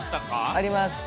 あります。